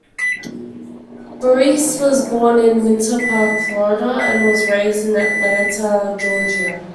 Bearse was born in Winter Park, Florida and was raised in Atlanta, Georgia.